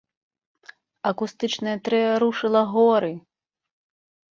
Акустычнае трыа рушыла горы!